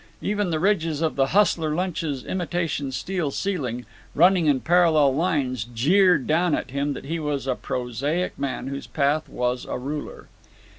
Even the ridges of the Hustler Lunch's imitation steel ceiling, running in parallel lines, jeered down at him that he was a prosaic man whose path was a ruler.